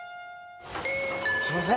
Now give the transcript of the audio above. すみません。